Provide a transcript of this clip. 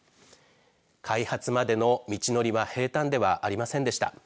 開発までの道のりは平たんではありませんでした。